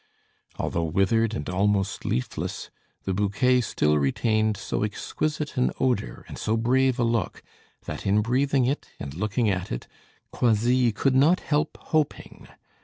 Although withered and almost leafless, the bouquet still retained so exquisite an odor and so brave a look, that in breathing it and looking at it, Croisilles could not help hoping.